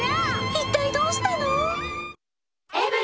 一体どうしたの？